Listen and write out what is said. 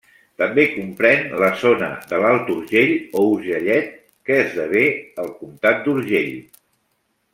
També comprén la zona de l’Alt Urgell o Urgellet que esdevé el comtat d’Urgell.